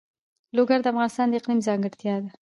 لوگر د افغانستان د اقلیم ځانګړتیا ده.